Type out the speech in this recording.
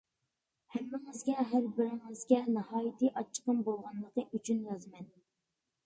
ھەممىڭىزگە، ھەر بىرىڭىزگە ناھايىتى ئاچچىقىم بولغانلىقى ئۈچۈن يازىمەن.